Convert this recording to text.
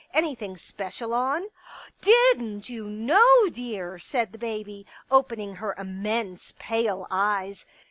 " Anything special on?" Didn't you know, dear ?" said the baby, opening her immense pale eyes.